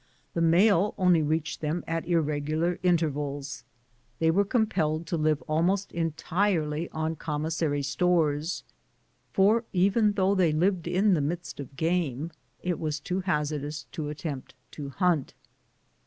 The mail only reached them at irregular intervals. They were compelled to live almost entirely on commissary stores, for though living in the midst of game it was too hazardous to attempt to hunt.